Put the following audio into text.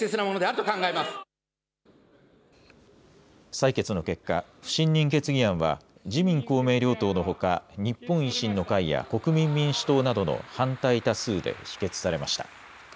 採決の結果、不信任決議案は、自民、公明両党のほか、日本維新の会や国民民主党などの反対多数で否決されました。